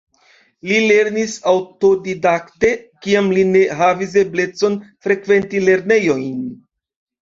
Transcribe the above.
Li lernis aŭtodidakte, kiam li ne havis eblecon frekventi lernejojn.